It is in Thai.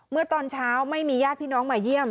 เมื่อตอนเช้าไม่มีญาติพี่น้องมาเยี่ยม